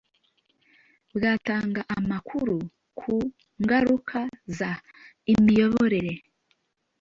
bwatanga amakuru ku ngaruka z imiyoborere